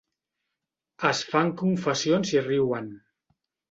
Es fan confessions i riuen.